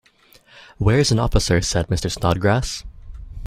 ‘Where’s an officer?’ said Mr. Snodgrass.